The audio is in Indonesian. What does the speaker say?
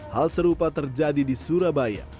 hal serupa terjadi di surabaya